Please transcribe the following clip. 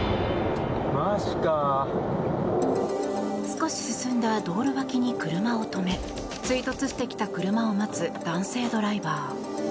少し進んだ道路脇に車を止め追突してきた車を待つ男性ドライバー。